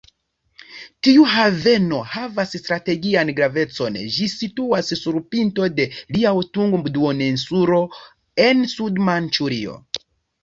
Tiu haveno havas strategian gravecon, ĝi situas sur pinto de Liaotung-duoninsulo, en Sud-Manĉurio.